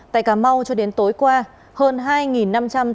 tại cà mau cho đến tối qua hơn hai năm trăm linh tàu đánh bắt trên biển